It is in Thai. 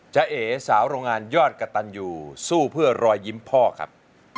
เอ๋สาวโรงงานยอดกระตันอยู่สู้เพื่อรอยยิ้มพ่อครับ